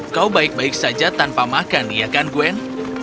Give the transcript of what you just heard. kau baik baik saja tanpa makan iya kan gwen